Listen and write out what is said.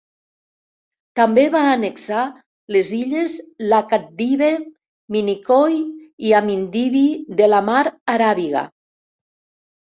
També va annexar les illes Laccadive, Minicoy i Amindivi de la mar Aràbiga.